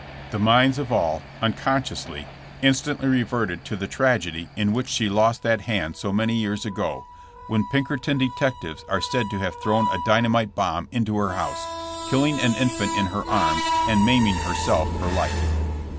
The minds of all, unconsciously, instantly reverted to the tragedy in which she lost that hand so many years ago, when Pinkerton detectives are said to have thrown a dyna mite bomb into her house, killing an infant in her arms and maiming herself for life.